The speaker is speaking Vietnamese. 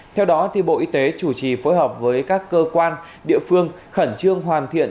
theo đó bộ y tế chủ trì phối hợp với các cơ quan địa phương khẩn trương hoàn thiện